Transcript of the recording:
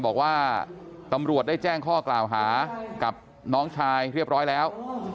กับน้องชายเรียบร้อยแล้ว